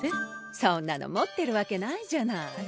そんなの持ってるわけないじゃない。